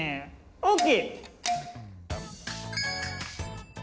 ＯＫ！